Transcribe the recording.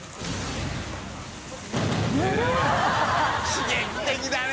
刺激的だね！